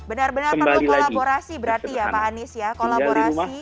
benar benar perlu kolaborasi berarti ya pak anies ya kolaborasi